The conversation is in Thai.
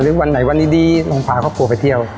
หรือวันไหนวันนี้ดีลงพาครอบครัวไปเที่ยว